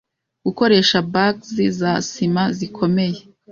Gukoresha bags za sima zikomeye